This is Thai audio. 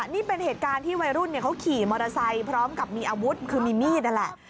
นี่เป็นเหตุการณ์ที่วัยรุ่นเขาขี่มอเตอร์ไซค์พร้อมกับมีอาวุธคือมีมีดนั่นแหละ